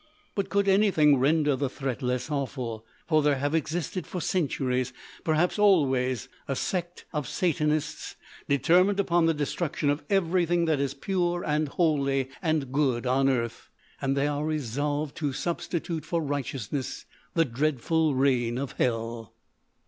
"But could anything render the threat less awful? For there have existed for centuries—perhaps always—a sect of Satanists determined upon the destruction of everything that is pure and holy and good on earth; and they are resolved to substitute for righteousness the dreadful reign of hell.